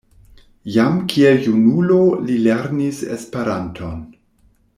Jam kiel junulo li lernis Esperanton.